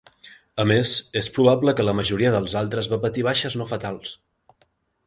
A més, és probable que la majoria dels altres va patir baixes no fatals.